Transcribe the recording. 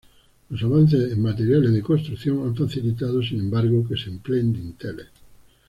Los avances en materiales de construcción han facilitado sin embargo que se empleen dinteles.